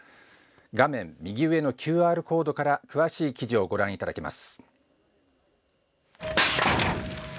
画面右上のＱＲコードから詳しい記事をご覧いただけます。